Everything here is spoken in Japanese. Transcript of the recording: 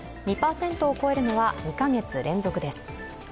２％を超えるのは２カ月連続です。